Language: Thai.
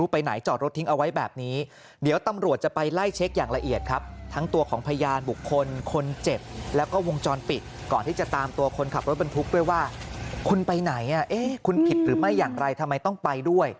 เป็นผิดหรือไม่อย่างไรทำไมต้องไปด้วย